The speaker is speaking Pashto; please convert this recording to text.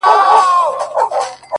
سيدې يې نورو دې څيښلي او اوبه پاتې دي؛